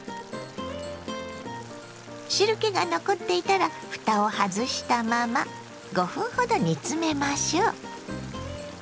汁けが残っていたらふたを外したまま５分ほど煮詰めましょ。